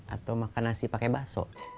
atau makan nasi pakai bakso